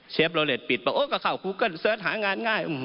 เชฟโลเลสปิดบอกโอ๊ยกะเข่าคูเกิลเซิร์ชหางานง่าย